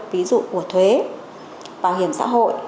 ví dụ của thuế bảo hiểm xã hội